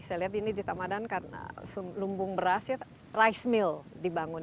saya lihat ini ditamadankan lumbung beras rice mill dibangun